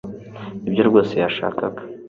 nibyo rwose yashakaga